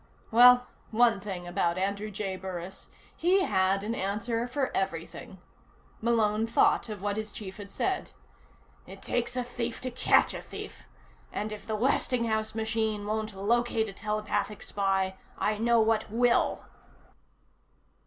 Well, one thing about Andrew J. Burris. He had an answer for everything. Malone thought of what his chief had said: "It takes a thief to catch a thief. And if the Westinghouse machine won't locate a telepathic spy, I know what will."